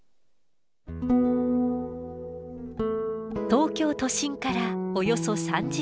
東京都心からおよそ３０キロ。